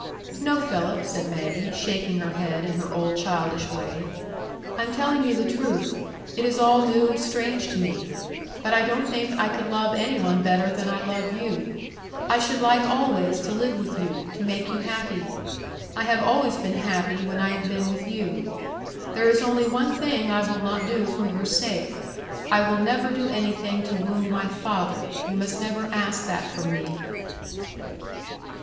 "No, Philip," said Maggie, shaking her head, in her old childish way; "I'm telling you the truth. It is all new and strange to me; but I don't think I could love any one better than I love you. I should like always to live with you—to make you happy. I have always been happy when I have been with you. There is only one thing I will not do for your sake; I will never do anything to wound my father. You must never ask that from me."